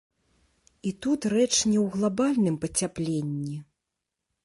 І тут рэч не ў глабальным пацяпленні.